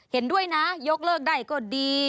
เห็นด้วยนะยกเลิกได้ก็ดี